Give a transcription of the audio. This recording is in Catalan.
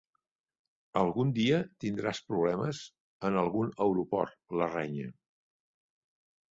Algun dia tindràs problemes en algun aeroport —la renya.